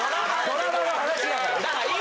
ドラマの話なんだから。